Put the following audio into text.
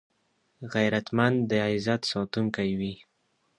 غیرتمند د عزت ساتونکی وي